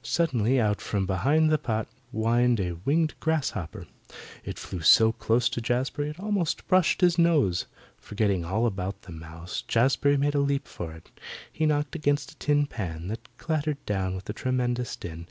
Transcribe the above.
Suddenly out from behind the pot whined a winged grasshopper. It flew so close to Jazbury it almost brushed his nose. Forgetting all about the mouse, Jazbury made a leap for it. He knocked against a tin pan that clattered down with a tremendous din.